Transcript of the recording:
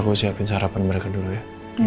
aku siapin sarapan mereka dulu ya